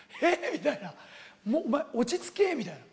みたいな、落ち着けみたいな。